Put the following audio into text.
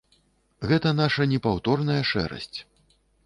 Гэта наша непаўторная шэрасць.